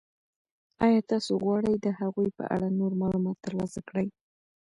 آیا تاسو غواړئ د هغوی په اړه نور معلومات ترلاسه کړئ؟